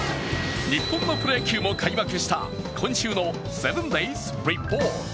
日本のプロ野球も開幕した今週の「７ｄａｙｓリポート」。